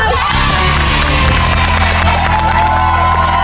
โรคทุกคำ